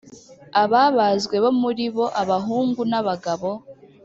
Ababazwe bo muri bo abahungu n abagabo